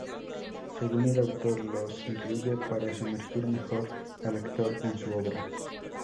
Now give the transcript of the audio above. Según el autor, los incluye para sumergir mejor al lector en su obra.